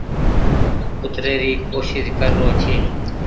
او تري ري ڪوشش ڪر رو ڇي۔